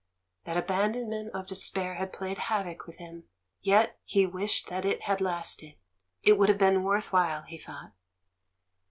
That aban donment of despair had played havoc with him, yet he wished that it had lasted — it would have been worth while, he thought.